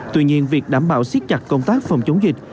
tuy nhiên việc đảm bảo siết chặt công tác phòng chống dịch